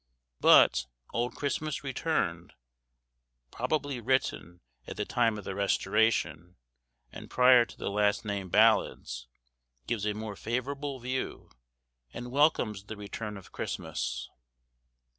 But, 'Old Christmas Returned,' probably written at the time of the Restoration and prior to the last named ballads, gives a more favourable view, and welcomes the return of Christmas.